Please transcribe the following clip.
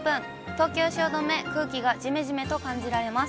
東京・汐留、空気がじめじめと感じられます。